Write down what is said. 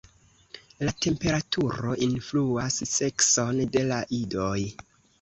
La temperaturo influas sekson de la idoj.